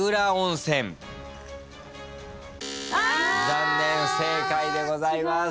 残念不正解でございます。